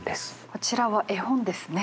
こちらは絵本ですね。